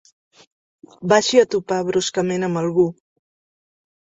Vagi a topar bruscament amb algú.